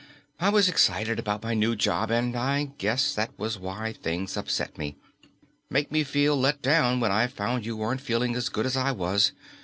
I was excited about my new job and I guess that was why things upset me. Made me feel let down when I found you weren't feeling as good as I was.